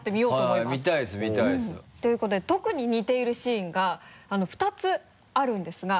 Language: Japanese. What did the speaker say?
見たいです見たいです。ということで特に似ているシーンが２つあるんですが。